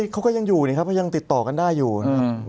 เขาก็ยังอยู่นี่ครับเขายังติดต่อกันได้อยู่นะครับ